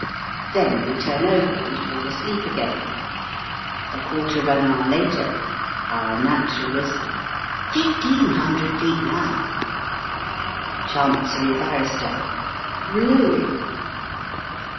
Then we turn over, and fall asleep again. A quarter of an hour later: Our Naturalist: "1500 feet now." Chancery Barrister: "Really!"